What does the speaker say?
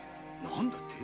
何だって！？